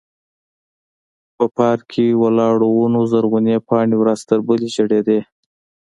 په پارک کې ولاړو ونو زرغونې پاڼې ورځ تر بلې ژړېدې.